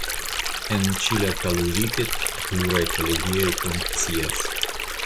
En Ĉilakaluripet pluraj kolegioj funkcias.